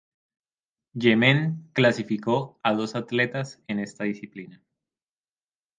Yemen clasificó a dos atletas en esta disciplina.